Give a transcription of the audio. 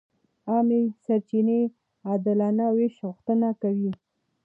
عامه سرچینې د عادلانه وېش غوښتنه کوي.